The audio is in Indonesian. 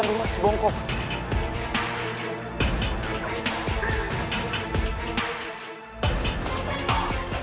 kami senang mempunyai metode pelaksanaan